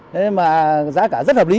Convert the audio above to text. thế mà giá cả rất hợp lý